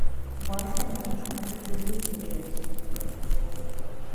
বয়স্ক মানুষ, হয়তো চুলটুল পেকে গেছে।